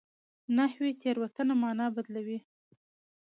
نحوي تېروتنه مانا بدلوي.